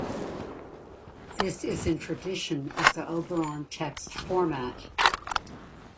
This is in tradition of the Oberon Text format.